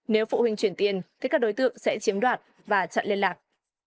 nếu phụ huynh chuyển tiền thì các đối tượng sẽ chiếm đoạt và chặn liên lạc